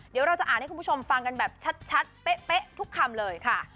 เดี๋ยวเราจะอ่านให้คุณผู้ชมฟังกันแบบชัดเป๊ะทุกคำเลยค่ะ